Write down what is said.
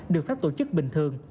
được phép tổ chức bình thường